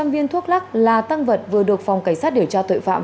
một sáu trăm linh viên thuốc lắc là tăng vật vừa được phòng cảnh sát điều tra tội phạm